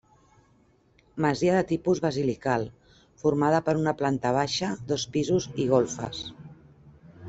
Masia de tipus basilical, formada per una planta baixa, dos pisos i golfes.